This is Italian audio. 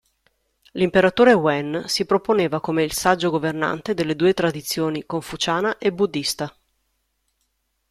L'imperatore Wen si proponeva come il saggio governante delle due tradizioni confuciana e buddhista.